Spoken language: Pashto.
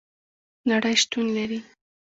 نړۍ شتون لري